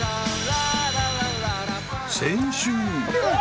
［先週］